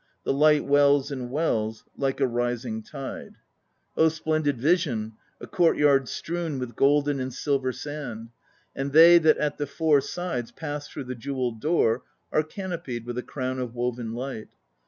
The light wells and wells like a rising tide. 3 Oh splendid vision! A courtyard strewn With golden and silver sand; And they that at the four sides Pass through the jewelled door are canopied With a crown of woven light.